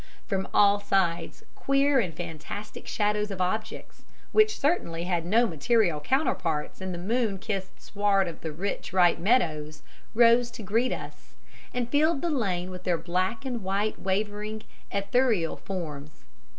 From all sides queer and fantastic shadows of objects, which certainly had no material counterparts in the moon kissed sward of the rich, ripe meadows, rose to greet us, and filled the lane with their black and white wavering, ethereal forms.